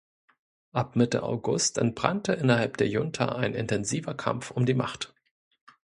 Ab Mitte August entbrannte innerhalb der Junta ein intensiver Kampf um die Macht.